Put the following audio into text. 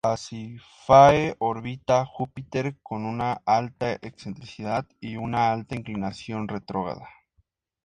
Pasífae orbita a Júpiter con una alta excentricidad y una alta inclinación retrógrada.